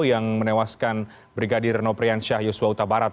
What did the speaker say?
yang menewaskan brigadi renoprian syah yusuf uta barat